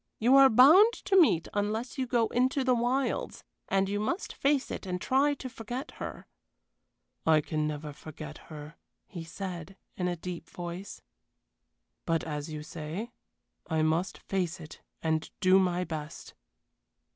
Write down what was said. You are bound to meet unless you go into the wilds. And you must face it and try to forget her." "I can never forget her," he said, in a deep voice; "but, as you say, I must face it and do my best."